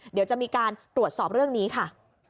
เดี๋ยวจะมีการตรวจสอบเรื่องนี้ค่ะ